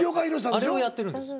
あれをやってるんです。